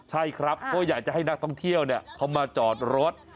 ใช่ครับเพราะอยากจะให้นักท่องเที่ยวเขามาจอดรถ